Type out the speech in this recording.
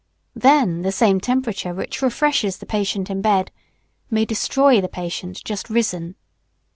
Then the same temperature which refreshes the patient in bed may destroy the patient just risen.